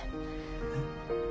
えっ？